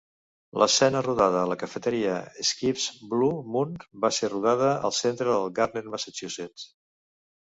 L'escena rodada a la cafeteria Skip"s Blue Moon va ser rodada al centre de Gardner, Massachusetts.